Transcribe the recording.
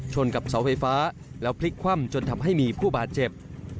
กับเสาไฟฟ้าแล้วพลิกคว่ำจนทำให้มีผู้บาดเจ็บ